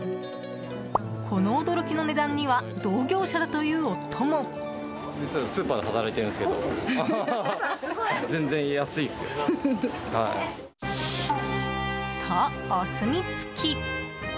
この驚きの値段には同業者だという夫も。と、お墨付き！